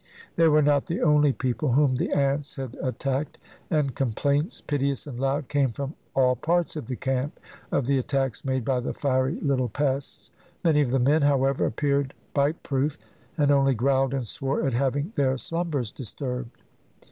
They were not the only people whom the ants had attacked, and complaints, piteous and loud, came from all parts of the camp, of the attacks made by the fiery little pests. Many of the men, however, appeared bite proof, and only growled and swore at having their slumbers disturbed.